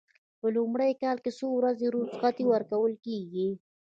په لومړي کال څو ورځې رخصتي ورکول کیږي؟